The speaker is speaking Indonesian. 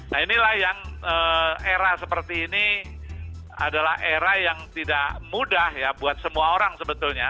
nah inilah yang era seperti ini adalah era yang tidak mudah ya buat semua orang sebetulnya